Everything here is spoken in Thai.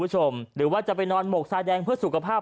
หรือว่าจะไปนอนหมกทรายแดงเพื่อสุขภาพ